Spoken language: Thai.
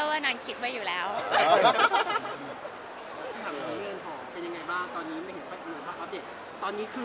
ตอนนี้ทุกอย่างเริ่มสมบูรณ์แบบอย่างนี้